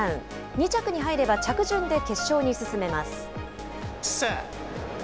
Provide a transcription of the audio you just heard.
２着に入れば着順で決勝に進めます。